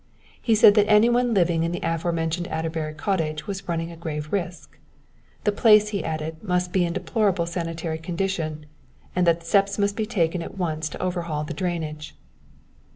He said that any one living in the afore mentioned Adderbury Cottage was running a grave risk. The place, he added, must be in a deplorable sanitary condition, and that steps must be taken at once to overhaul the drainage.